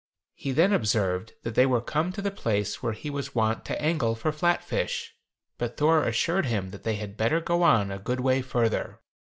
He then observed that they were come to the place where he was wont to angle for flat fish, but Thor assured him that they had better go on a good way further.